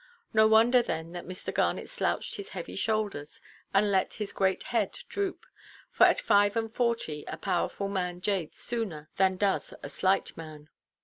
No wonder then that Mr. Garnet slouched his heavy shoulders, and let his great head droop; for at five–and–forty a powerful man jades sooner than does a slight one.